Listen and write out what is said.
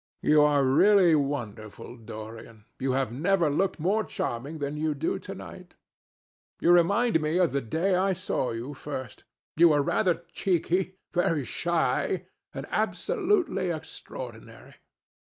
You are really wonderful, Dorian. You have never looked more charming than you do to night. You remind me of the day I saw you first. You were rather cheeky, very shy, and absolutely extraordinary.